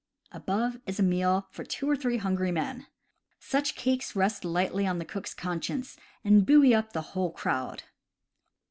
Above is a meal for two or three hungry men. Such cakes rest lightly on the cook's conscience, and buoy up the whole crowd.